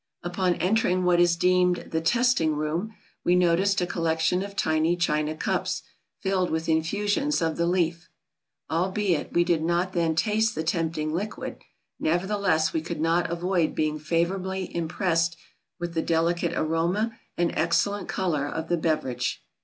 Upon entering what is deemed the "Testing Room," we noticed a collection of tiny China cups, filled with infusions of the leaf. Albeit we did not then taste the tempting liquid, nevertheless we could not avoid being favourably impressed with the delicate aroma and excellent colour of the beverage.